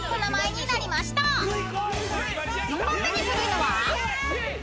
［４番目に古いのは？］